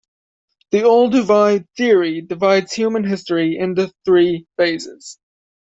The Olduvai theory divides human history into three phases.